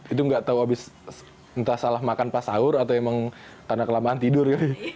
itu gak tau entah salah makan pas sahur atau emang karena kelamaan tidur